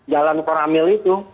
jalan koramil itu